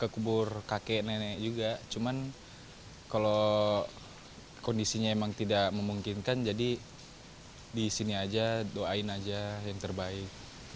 kondisinya memang tidak memungkinkan jadi di sini aja doain aja yang terbaik